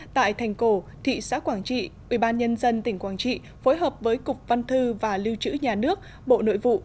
tại thành cổ thị xã quảng trị ubnd tỉnh quảng trị phối hợp với cục văn thư và lưu trữ nhà nước bộ nội vụ